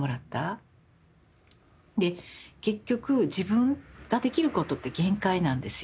で結局自分ができることって限界なんですよ。